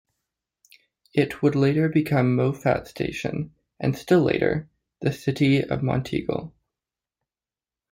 It would later become Moffat Station and still later, the city of Monteagle.